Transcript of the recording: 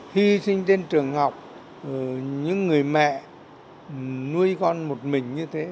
hy sinh trên trường học những người mẹ nuôi con một mình như thế